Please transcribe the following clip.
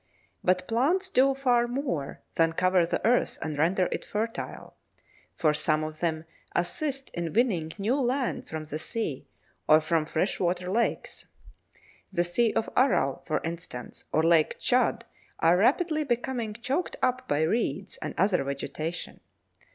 But plants do far more than cover the earth and render it fertile, for some of them assist in winning new land from the sea or from freshwater lakes. The Sea of Aral, for instance, or Lake Tschad are rapidly becoming choked up by reeds and other vegetation.